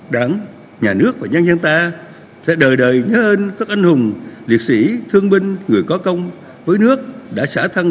đảng nhà nước và nhân dân ta sẽ đời đời nhớ ơn các anh hùng liệt sĩ thương binh người có công với nước đã xả thân